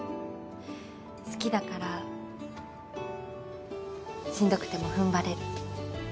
好きだからしんどくても踏ん張れる。